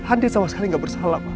andin sama sekali gak bersalah